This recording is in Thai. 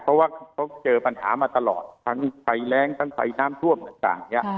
เพราะว่าเขาเจอปัญหามาตลอดทั้งไฟแรงทั้งไฟน้ำท่วมต่างเนี่ย